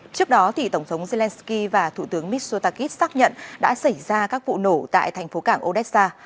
trước đó tổng thống zelensky và thủ tướng mitsotakis xác nhận đã xảy ra các vụ nổ tại thành phố cảng odessa